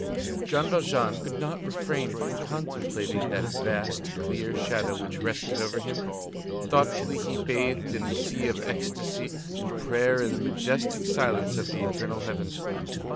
Jean Valjean could not refrain from contemplating that vast, clear shadow which rested over him; thoughtfully he bathed in the sea of ecstasy and prayer in the majestic silence of the eternal heavens.